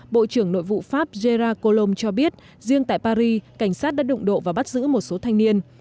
bộ trưởng nội vụ pháp gérakolom cho biết riêng tại paris cảnh sát đã đụng độ và bắt giữ một số thanh niên